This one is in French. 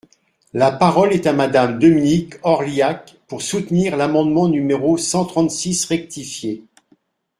La parole est à Madame Dominique Orliac, pour soutenir l’amendement numéro cent trente-six rectifié.